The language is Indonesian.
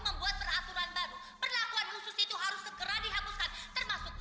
membuat peraturan baru perlakuan khusus itu harus segera dihapuskan termasuk